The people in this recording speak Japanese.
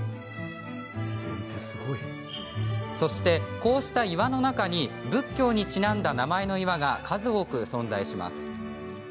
そして、こうした岩の中に仏教にちなんだ名前の岩が数多く存在します。